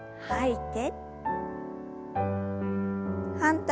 はい。